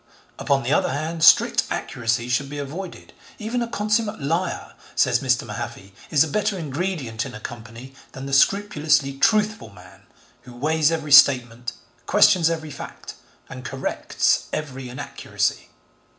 Upon the other hand, strict accuracy should be avoided. 'Even a consummate liar,' says Mr. Mahaffy, is a better ingredient in a company than 'the scrupulously truthful man, who weighs every statement, questions every fact, and corrects every inaccuracy.'